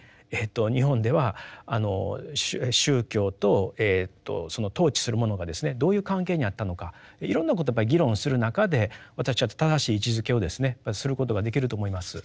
日本では宗教とその統治するものがですねどういう関係にあったのかいろんなことをやっぱり議論する中で私は正しい位置づけをですねすることができると思います。